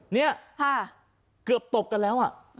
เนี่ยเกือบตบกันแล้ว